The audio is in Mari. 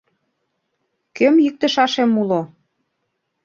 Кӧм йӱктышашем уло?